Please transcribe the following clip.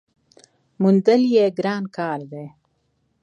موندل یې ګران کار دی .